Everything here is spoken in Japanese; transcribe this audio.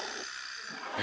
え？